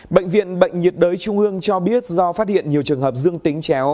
bệnh viện bệnh nhiệt đới trung ương cho biết do phát hiện nhiều trường hợp dương tính chéo